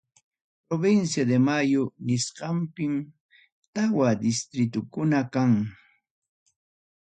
Provincia de Manu nisqanpim, tawa distritukunam kan.